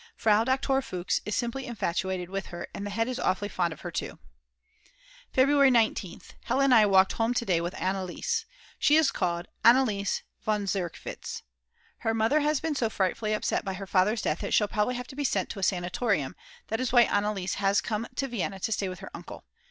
Frau Doktor Fuchs is simply infatuated with her and the head is awfully fond of her too. February 19th. Hella and I walked home to day with Anneliese. She is called Anneliese von Zerkwitz. Her mother has been so frightfully upset by her father's death that she'll probably have to be sent to a sanatorium; that is why Anneliese has come to Vienna to stay with her uncle.